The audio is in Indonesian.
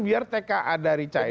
biar tka dari china